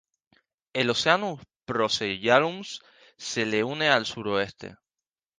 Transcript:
El Oceanus Procellarum se le une al suroeste.